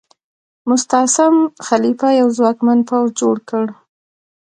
مستعصم خلیفه یو ځواکمن پوځ جوړ کړ.